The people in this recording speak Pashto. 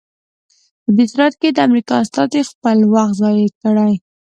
په دې صورت کې د امریکا استازي خپل وخت ضایع کړی.